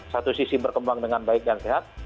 satu sisi berkembang dengan baik dan sehat